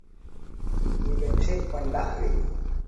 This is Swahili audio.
nimetekwa ndani